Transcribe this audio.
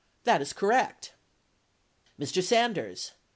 That is correct. Mr. Sanders.